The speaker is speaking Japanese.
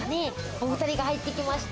お２人が入ってきました。